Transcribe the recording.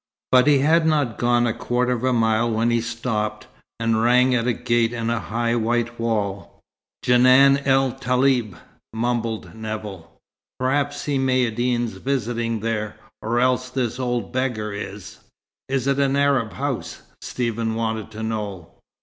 But he had not gone a quarter of a mile when he stopped, and rang at a gate in a high white wall. "Djenan el Taleb," mumbled Nevill. "Perhaps Si Maïeddine's visiting there or else this old beggar is." "Is it an Arab's house?" Stephen wanted to know.